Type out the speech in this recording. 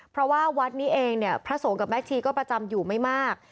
เพราะว่าวัดนี้เองเนี่ยพระสงฆ์กับแม่ชีก็ประจำอยู่ไม่มาก